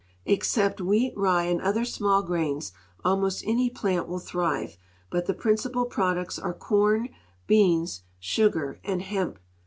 Except wheat, rye, and other small grains, almost any plant will thrive, but the i)rincipal products are corn, beans, sugar, and hemp.